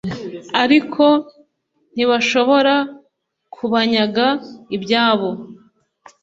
ariko ntibashobora kubanyaga ibyabo